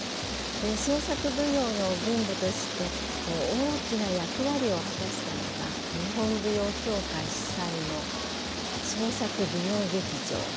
創作舞踊の群舞として大きな役割を果たしたのが日本舞踊協会主催の創作舞踊劇場。